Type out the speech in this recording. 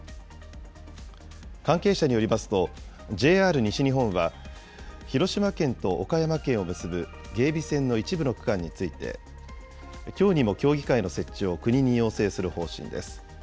関係者によりますと、ＪＲ西日本は広島県と岡山県を結ぶ芸備線の一部の区間について、きょうにも協議会の設置を国に要請する方針です。